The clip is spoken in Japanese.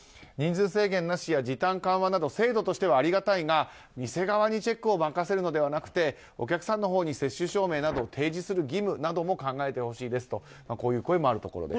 人数制限なしや時短緩和など制度としてはありがたいが店側にチェックを任せるのではなくてお客さんのほうに接種証明を提示する義務なども考えてほしいですとこういう声もあると。